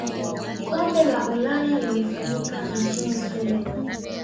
kombe la ulaya lilifanyika nchini sweden